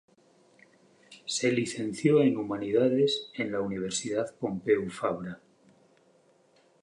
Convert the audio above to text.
Se licenció en Humanidades en la Universidad Pompeu Fabra.